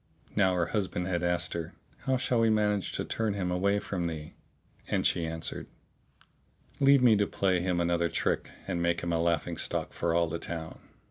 Now her husband had asked her, "How shall we manage to turn him away from thee?"; and she answered, "Leave me to play him another trick and make him a laughing stock for all the town."